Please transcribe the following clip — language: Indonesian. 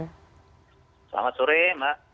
selamat sore mbak